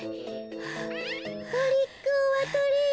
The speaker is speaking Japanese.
トリックオアトリート。